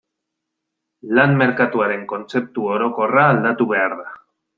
Lan merkatuaren kontzeptu orokorra aldatu behar da.